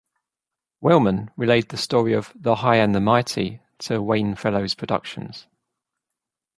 Wellman relayed the story of "The High and the Mighty" to Wayne-Fellows Productions.